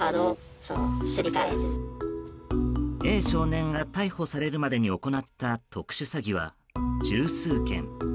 Ａ少年が逮捕されるまでに行った特殊詐欺は十数件。